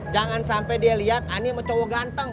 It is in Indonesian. jangan sampai dia liat ini sama cowok ganteng